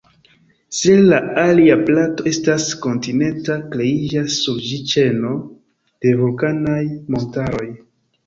Se la alia plato estas kontinenta, kreiĝas sur ĝi ĉeno de vulkanaj montaroj.